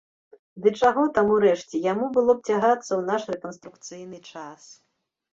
Ды чаго там, урэшце, яму было б цягацца ў наш рэканструкцыйны час?